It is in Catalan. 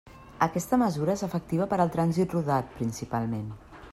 Aquesta mesura és efectiva per al trànsit rodat principalment.